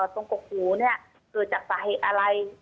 ตรงกรกหูนี่เกิดจากสาเหตุอะไร